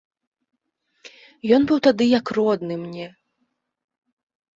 Ён быў тады як родны мне.